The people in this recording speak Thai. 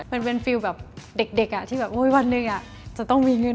มันเป็นฟิล์มเด็กที่วันนึงจะต้องมีเงิน